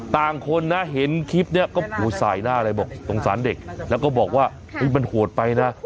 ต่างคนนะเห็นคลิปนี้ก็สายหน้าเลยบอกสงสารเด็กแล้วก็บอกว่ามันโหดไปนะ